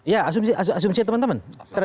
ya asumsi teman teman